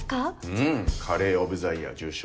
うんカレーオブザイヤー受賞。